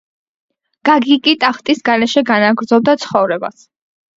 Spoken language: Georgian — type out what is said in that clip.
გაგიკი ტახტის გარეშე განაგრძობდა ცხოვრებას.